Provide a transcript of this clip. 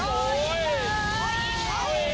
โรยโรยโรยโรยโรย